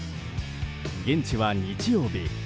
現地は日曜日。